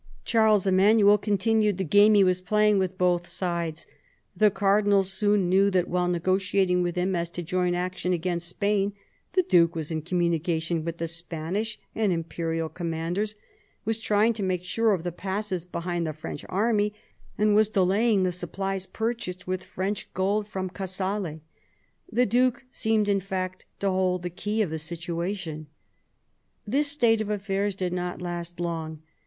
Charles Emmanuel continued the game he was playing with both sides ; the Cardinal soon knew that while negotiating with him as to joint action against Spain the Duke was in communication with the Spanish and imperial com manders, was trying to make sure of the passes behind the French army, and was delaying the supplies purchased with French gold for Casale. The Duke seemed, in fact, to hold the key of the situation. This state of things did not last long.